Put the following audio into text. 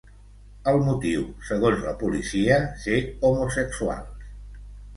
El motiu, segons la policia, ser homosexuals.